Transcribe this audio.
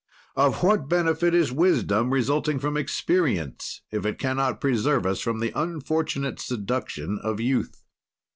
"Of what benefit is wisdom resulting from experience if it cannot preserve us from the unfortunate seduction of youth?